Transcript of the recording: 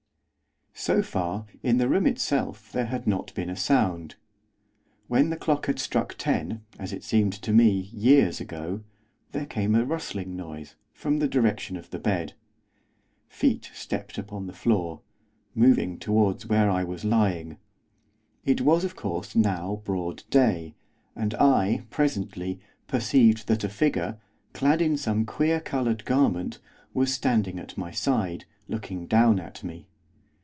So far, in the room itself there had not been a sound. When the clock had struck ten, as it seemed to me, years ago, there came a rustling noise, from the direction of the bed. Feet stepped upon the floor, moving towards where I was lying. It was, of course, now broad day, and I, presently, perceived that a figure, clad in some queer coloured garment, was standing at my side, looking down at me.